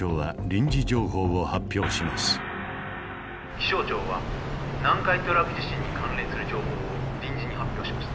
「気象庁は南海トラフ地震に関連する情報を臨時に発表しました」。